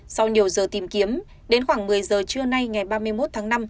sau nhiều giờ tìm kiếm đến khoảng một mươi giờ trưa nay ngày ba mươi một tháng năm